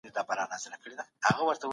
دويمه: اوسنيو پوهانو دوره.